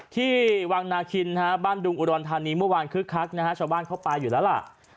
ที่วังนาคินบ้านดุงอุดรธานีเมื่อวานคึกคักนะฮะชาวบ้านเข้าไปอยู่แล้วล่ะ